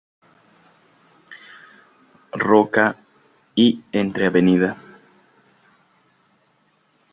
Roca, y entre Av.